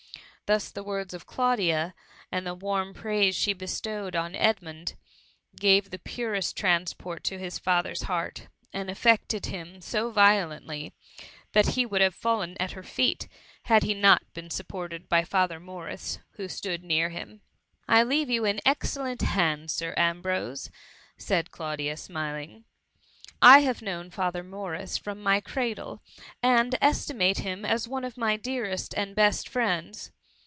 Thus the words of Claudia, and the warm praise she be« stowed on Edmund, gave the purest transport to his ^ther^s heart ; and affected him so vi olently, that he would have fallen at her feet, had he not been supported by Father Morris, who stood near him. I leave you in excellent hands. Sir Am brose,^ said Claudia, smiling ;^^ I have known Father Morris from my cradle, and estimate him as one of my dearest and best friends.